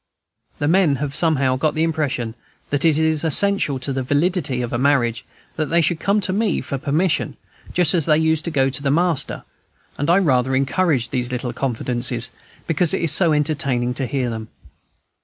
The men have somehow got the impression that it is essential to the validity of a marriage that they should come to me for permission, just as they used to go to the master; and I rather encourage these little confidences, because it is so entertaining to hear them.